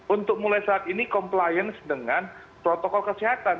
untuk mulai saat ini compliance dengan protokol kesehatan